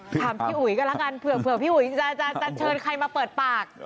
ถามพี่อุ๋ยก็แล้วกันเผื่อพี่อุ๋ยจะเชิญใครมาเปิดปาก